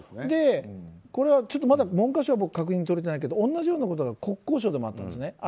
これはちょっとまだ文科相の確認はとれてないけど同じようなことが国交省でもあったんですね。